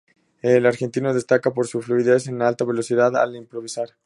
El argentino destaca por su fluidez y alta velocidad al improvisar.